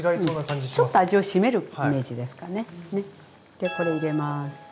でこれ入れます。